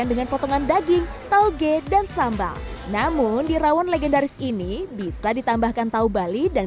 dengan potongan daging tauge dan sambal namun di rawon legendaris ini bisa ditambahkan tahu bali dan